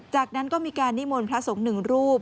จากนั้นก็มีการนิมนต์พระสงฆ์หนึ่งรูป